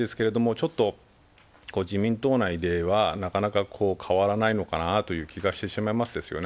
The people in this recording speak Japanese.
ちょっと自民党内ではなかなか変わらないのかなという気がしてしまいますね。